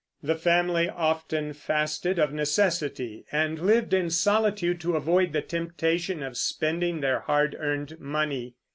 The family often fasted of necessity, and lived in solitude to avoid the temptation of spending their hard earned money.